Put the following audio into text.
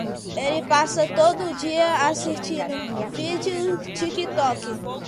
Ele passa o dia todo assistindo vídeos do TikTok.